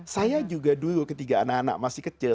saya juga dulu ketika anak anak masih kecil